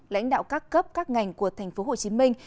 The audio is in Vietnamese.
lãnh đạo các cấp các ngành của thành phố hồ chí minh